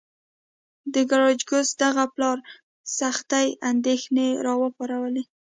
د ګراکچوس دغه پلان سختې اندېښنې را وپارولې.